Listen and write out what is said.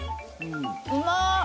うまっ。